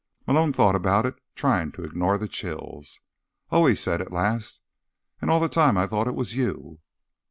Malone thought about it, trying to ignore the chills. "Oh," he said at last. "And all the time I thought it was you."